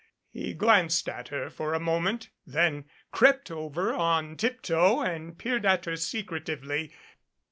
He glanced at her for a moment, then crept over on tip toe and peered at her secretively.